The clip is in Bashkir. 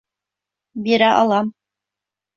Бирә алам.